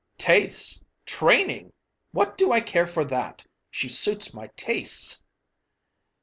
"Tastes! Training! What do I care for that? She suits my tastes."